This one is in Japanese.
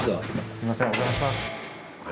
すいませんお邪魔します。